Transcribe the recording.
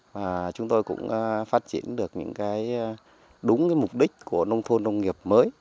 và chúng tôi cũng phát triển được những cái đúng cái mục đích của nông thôn nông nghiệp mới